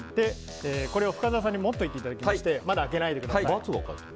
これを深澤さんに持っていていただきましてまだ開けないでくださいね。